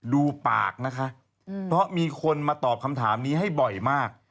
ดูปากนะคะเพราะมีคนมาตอบคำถามนี้ให้บ่อยมาก